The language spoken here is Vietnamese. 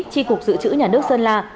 tri cục dự trữ nhà nước sơn la